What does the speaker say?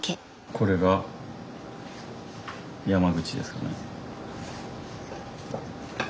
これが山口ですかね。